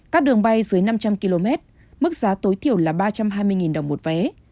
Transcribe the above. các đường bay dưới năm trăm linh km mức giá tối thiểu là ba trăm hai mươi đồng một vé